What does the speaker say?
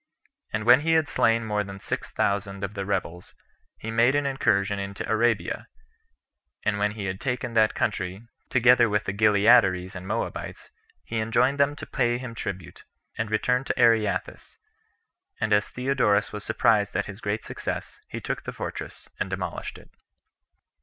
And when he had slain more than six thousand of the rebels, he made an incursion into Arabia; and when he had taken that country, together with the Gileadires and Moabites, he enjoined them to pay him tribute, and returned to Areathus; and as Theodorus was surprised at his great success, he took the fortress, and demolished it.